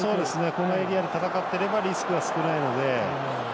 このエリアで戦っていればリスクが少ないので。